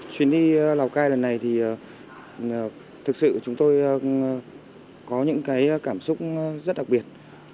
chuyến đi lào cai lần này thì thực sự chúng tôi có những cái cảm xúc rất đặc biệt